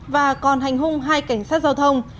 và còn hành hung hai cảnh sát giao thông